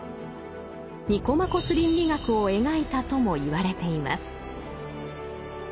「ニコマコス倫理学」を描いたともいわれています。